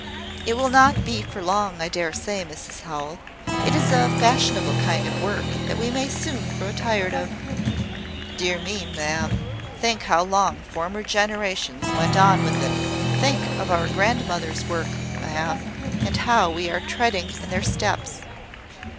"It will not be for long, I dare say, Mrs Howell. It is a fashionable kind of work, that we may soon grow tired of." "Dear me, ma'am, think how long former generations went on with it! Think of our grandmothers' work, ma'am, and how we are treading in their steps.